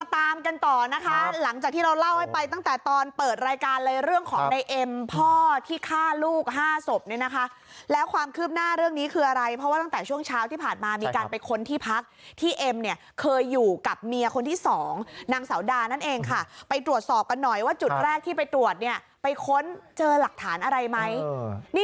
ตามกันต่อนะคะหลังจากที่เราเล่าให้ไปตั้งแต่ตอนเปิดรายการเลยเรื่องของในเอ็มพ่อที่ฆ่าลูก๕ศพเนี่ยนะคะแล้วความคืบหน้าเรื่องนี้คืออะไรเพราะว่าตั้งแต่ช่วงเช้าที่ผ่านมามีการไปค้นที่พักที่เอ็มเนี่ยเคยอยู่กับเมียคนที่สองนางสาวดานั่นเองค่ะไปตรวจสอบกันหน่อยว่าจุดแรกที่ไปตรวจเนี่ยไปค้นเจอหลักฐานอะไรไหม